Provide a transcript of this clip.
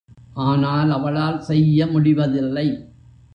ஆனால் அவளால் செய்ய முடிவதில்லை.